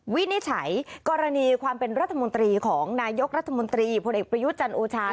วินิจฉัยกรณีความเป็นรัฐมนตรีของนายกรัฐมนตรีพลเอกประยุทธ์จันทร์โอชา